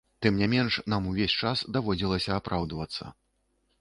Тым не менш, нам увесь час даводзілася апраўдвацца.